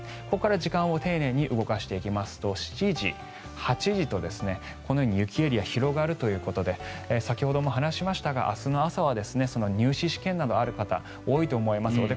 ここから時間を丁寧に動かしていきますと７時、８時とこのように雪エリアが広がるということで先ほども話しましたが明日朝は入試試験などある方多いと思います。